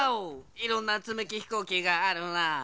いろんなつみきひこうきがあるなあ。